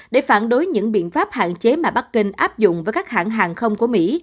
để phản đối những biện pháp hạn chế mà bắc kinh áp dụng với các hãng hàng không của mỹ